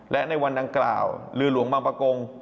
และในวันดังกล่าวเรือหลวงบางประกง